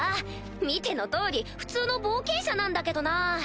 見ての通り普通の冒険者なんだけどなぁ！